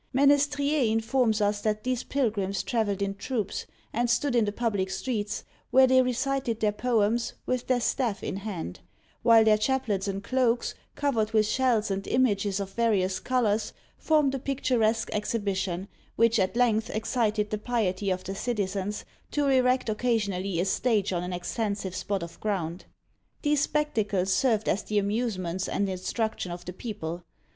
Menestrier informs us that these pilgrims travelled in troops, and stood in the public streets, where they recited their poems, with their staff in hand; while their chaplets and cloaks, covered with shells and images of various colours formed a picturesque exhibition, which at length excited the piety of the citizens to erect occasionally a stage on an extensive spot of ground. These spectacles served as the amusements and instruction of the people.